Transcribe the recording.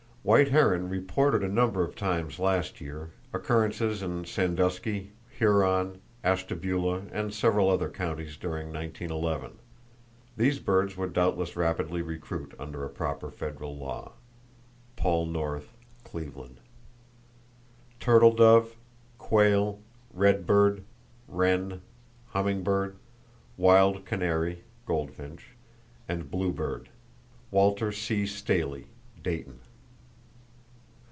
White heron reported a number of times last year; occurrences in Sandusky, Huron, Ashtabula and several other counties during 1911. These birds would doubtless rapidly recruit under a proper federal law.—(Paul North, Cleveland.) Turtle dove, quail, red bird, wren, hummingbird, wild canary [goldfinch] and blue bird.—(Walter C. Staley, Dayton.)